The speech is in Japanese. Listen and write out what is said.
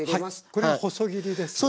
これは細切りですよね。